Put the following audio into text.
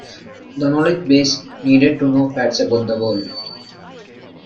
The knowledge-base needed to know facts about the world.